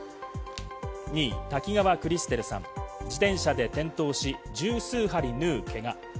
２位、滝川クリステルさん、自転車で転倒し、十数針縫うけが。